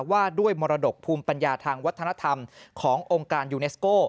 ว่าด้วยมรดกภูมิปัญญาทางวัฒนธรรมขององค์การยูเนสโก้